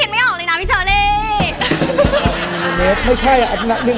แบบนี้รีบคิดไม่ออกเลยนะพี่เทอร์นี่